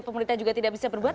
pemerintah juga tidak bisa berbuat